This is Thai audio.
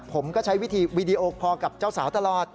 ผมก็ใช้วิธีวีดีโอคอร์กับเจ้าสาวตลอด